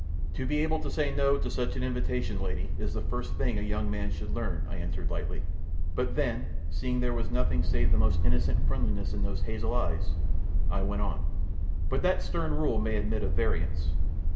"To be able to say no to such an invitation, lady, is the first thing a young man should learn," I answered lightly; but then, seeing there was nothing save the most innocent friendliness in those hazel eyes, I went on, "but that stern rule may admit of variance.